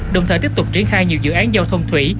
đồng thời tiếp tục triển khai nhiều dự án giao thông thủy